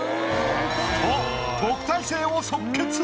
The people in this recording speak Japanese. と特待生を即決！